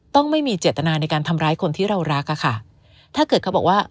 ไม่มีเจตนาในการทำร้ายคนที่เรารักอะค่ะถ้าเกิดเขาบอกว่า